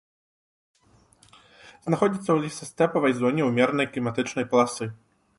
Знаходзіцца ў лесастэпавай зоне ўмеранай кліматычнай паласы.